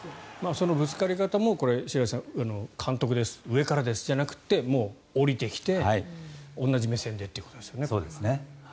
そのぶつかり方も白井さん監督です、上からですじゃなくて下りてきて、同じ目線でっていうことですよね。